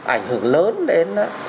ảnh hưởng lớn đến